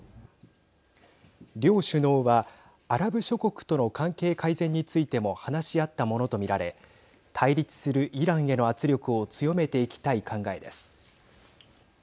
両首脳はアラブ諸国との関係改善についても話し合ったものと見られ対立するイランへの圧力を強めていきたい考えです。